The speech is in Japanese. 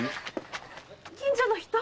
近所の人？